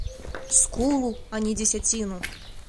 Скулу, а не дзесяціну!